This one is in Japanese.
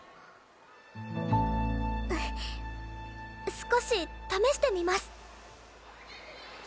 少し試してみます。